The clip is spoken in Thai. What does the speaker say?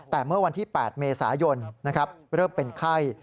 แต่เมื่อวันที่๘เมษายนเริ่มเป็นไข้